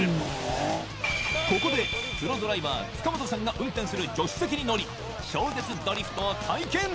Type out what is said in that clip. ここでプロドライバー塚本さんが運転する助手席に乗り超絶ドリフトを体験